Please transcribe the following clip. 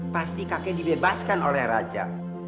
pasti kakek dibebaskan oleh raja